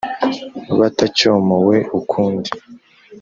batacyomowe ukundi.